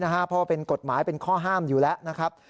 เพราะว่าเป็นกฎหมายเป็นข้อห้ามอยู่แล้วนะครับ